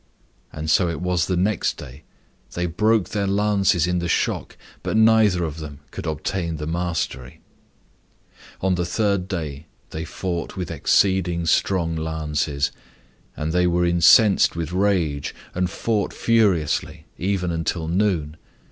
And so it was the next day; they broke their lances in the shock, but neither of them could obtain the mastery. And the third day they fought with exceeding strong lances. And they were incensed with rage, and fought furiously, even until noon.